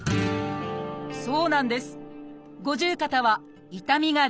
そうなんです！